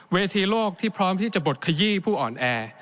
เวทีโลกที่พร้อมที่จะบดขยี้ผู้อ่อนแอ